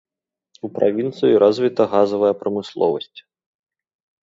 У правінцыі развіта газавая прамысловасць.